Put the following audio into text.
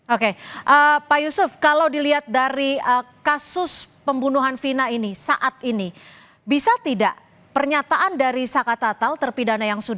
oke pak yusuf kalau dilihat dari kasus pembunuhan vina ini saat ini bisa tidak pernyataan dari saka tatal terpidana yang sudah